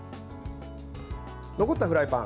残ったフライパン。